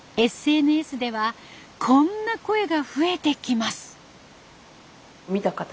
ＳＮＳではこんな声が増えてきます。